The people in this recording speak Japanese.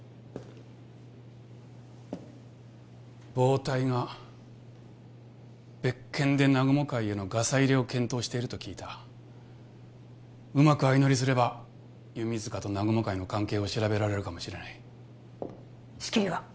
暴対が別件で南雲会へのガサ入れを検討していると聞いたうまく相乗りすれば弓塚と南雲会の関係を調べられるかもしれない仕切りは？